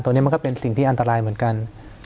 นี้มันก็เป็นสิ่งที่อันตรายเหมือนกัน